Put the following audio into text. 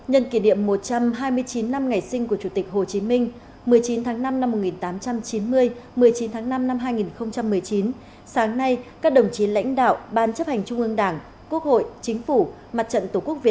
hãy đăng ký kênh để ủng hộ kênh của chúng mình nhé